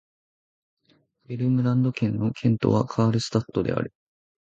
ヴェルムランド県の県都はカールスタッドである